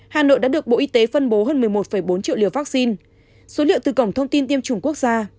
hà nội đã được bộ y tế phân bố hơn một mươi một bốn triệu liều vaccine số liệu từ cổng thông tin tiêm chủng quốc gia